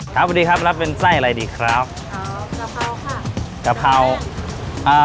ครับสวัสดีครับรับเป็นไส้อะไรดีครับอ๋อกะเพราค่ะกะเพรา